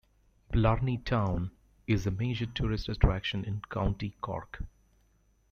Blarney town is a major tourist attraction in County Cork.